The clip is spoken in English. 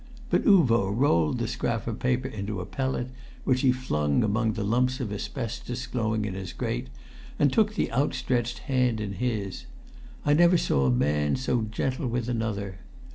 But Uvo rolled the scrap of paper into a pellet, which he flung among the lumps of asbestos glowing in his grate, and took the outstretched hand in his. I never saw man so gentle with another.